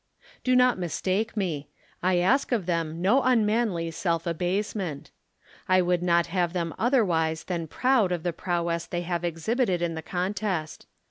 Do not mistake me; I ask of them no unmanly self abasement. I would not have them otherwise than proud of the prowess they have exhibited in the contest.